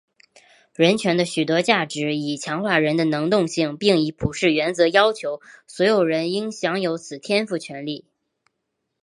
人权的许多价值以强化人的能动性并以普世原则要求所有人应享有此天赋权利。